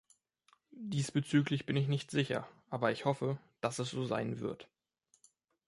Diesbezüglich bin ich nicht sicher, aber ich hoffe, dass es so sein wird.